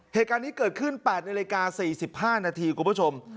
เหตุการณ์นี้เกิดขึ้น๘นาฬิกา๔๕นาทีคุณผู้ชม